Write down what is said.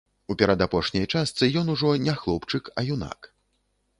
У перадапошняй частцы ён ужо не хлопчык, а юнак.